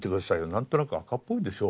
何となく赤っぽいでしょ？